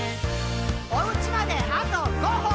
「おうちまであと５歩！」